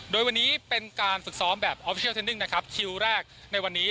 โดยวันนี้เป็นการฝึกซ้อมแบบนะครับคิวแรกในวันนี้